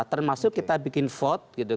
termasuk kita bikin vote